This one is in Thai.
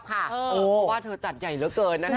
เพราะว่าเธอจัดใหญ่เหลือเกินนะคะ